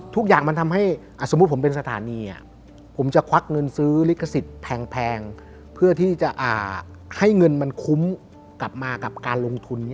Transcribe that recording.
ทุกอย่างมันทำให้สมมุติผมเป็นสถานีผมจะควักเงินซื้อลิขสิทธิ์แพงเพื่อที่จะให้เงินมันคุ้มกลับมากับการลงทุน